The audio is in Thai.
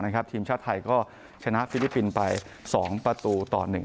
นะครับทีมชาติไทยก็ชนะฟิลิปปินส์ไปสองประตูต่อหนึ่ง